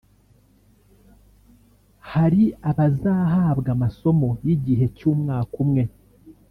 Hari abazahabwa amasomo y’igihe cy’umwaka umwe